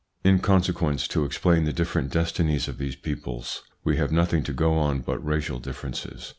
In consequence, to explain the different destinies of these peoples we have nothing to go on but racial differences.